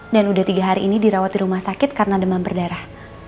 dan udah tiga hari ini dirawat di rumah sakit karena demam berdarah